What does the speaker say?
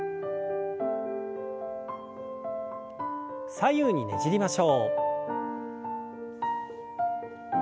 左右にねじりましょう。